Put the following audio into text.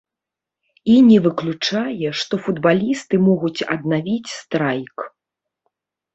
І не выключае, што футбалісты могуць аднавіць страйк.